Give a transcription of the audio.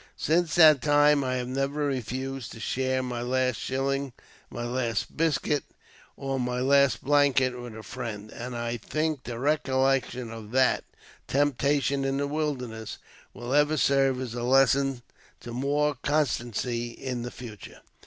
Since that time I have never refused to share my last shilling, my last biscuit, or my only blanket with a friend, and I think the recollection of that " temptation in the wilderness " will ever serve as a lesson to more constancy in the future.